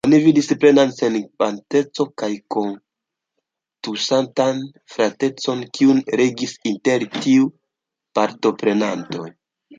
Oni vidis plenan senĝenecon kaj kortuŝantan fratecon, kiu regis inter ĉiuj partoprenantoj.